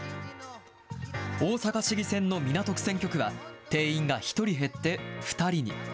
大阪市議選の港区選挙区は、定員が１人減って、２人に。